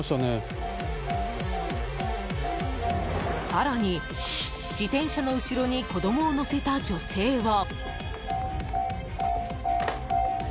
更に、自転車の後ろに子供を乗せた女性は。